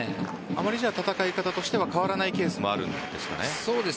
あまり戦い方としては変わらないケースもそうですね。